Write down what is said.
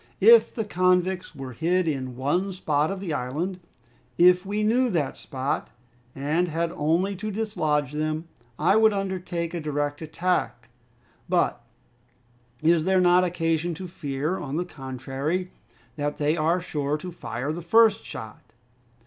If the convicts were hid in one spot of the island, if we knew that spot, and had only to dislodge them, I would undertake a direct attack; but is there not occasion to fear, on the contrary, that they are sure to fire the first shot?"